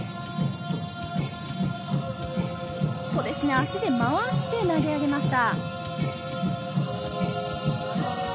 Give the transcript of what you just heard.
足で回して投げ上げました。